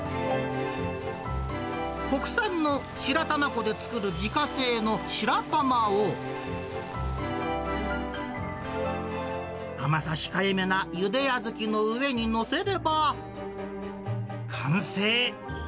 国産の白玉粉で作る自家製の白玉を、甘さ控えめなゆで小豆の上に載せれば、完成。